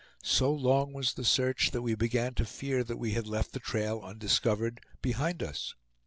So long was the search that we began to fear that we had left the trail undiscovered behind us.